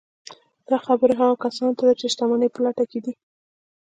دا خبره هغو کسانو ته ده چې د شتمنۍ په لټه کې دي